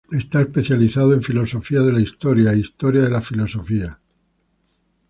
Está especializado en Filosofía de la Historia, e Historia de la Filosofía.